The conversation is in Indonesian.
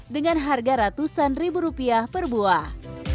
dengan harga ratusan ribu rupiah per buah